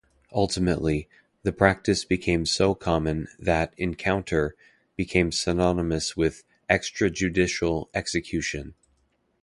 Ultimately, the practice became so common that "encounter" became synonymous with extrajudicial execution.